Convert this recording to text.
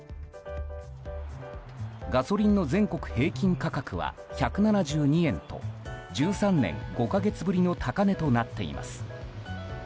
ガソリンの全国平均価格は１７２円と１３年５か月ぶりの高値となっています。